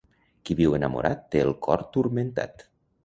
Qui viu enamorat té el cor turmentat.